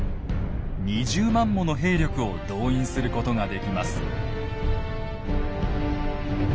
２０万もの兵力を動員することができます。